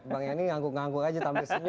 pak yani ngangkuk ngangkuk aja tampil senyum